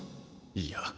いいや。